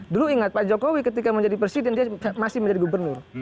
dulu ingat pak jokowi ketika menjadi presiden dia masih menjadi gubernur